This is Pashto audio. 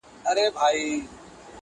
هېچا ترې و نه پوښتل چې: محمده! څه شوي